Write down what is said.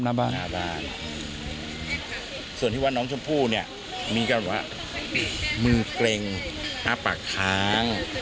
หน้าบ้านส่วนที่ว่าน้องชมพู่เนี่ยมีการแบบว่ามือเกร็งอ้าปากค้าง